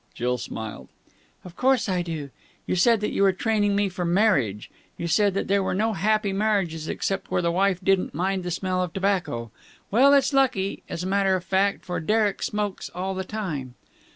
Jill smiled. "Of course I do. You said that you were training me for marriage. You said that there were no happy marriages except where the wife didn't mind the smell of tobacco. Well, it's lucky, as a matter of fact, for Derek smokes all the time."